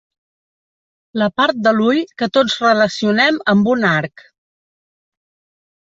La part de l'ull que tots relacionem amb un arc.